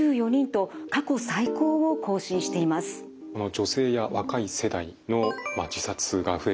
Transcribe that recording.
女性や若い世代の自殺が増えている。